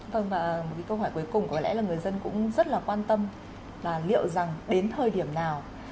vâng và một câu hỏi cuối cùng có lẽ là người dân cũng rất là quan tâm là liệu rằng đến thời điểm nào